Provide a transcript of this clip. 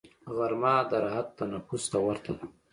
غرمه د راحت تنفس ته ورته ده